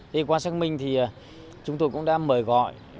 thì qua xác minh thì chúng tôi cũng đã mời gọi